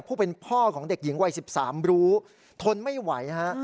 ผู้เป็นพ่อของเด็กหญิงวัย๑๓รู้ทนไม่ไหวฮะ